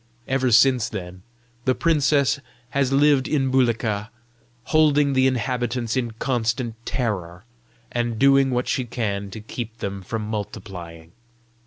Ever since then, the princess has lived in Bulika, holding the inhabitants in constant terror, and doing what she can to keep them from multiplying.